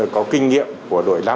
có kinh nghiệm của đội năm